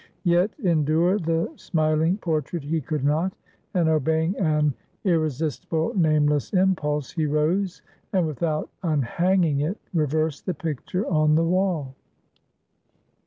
Yet endure the smiling portrait he could not; and obeying an irresistible nameless impulse, he rose, and without unhanging it, reversed the picture on the wall.